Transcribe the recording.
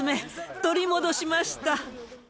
取り戻しました。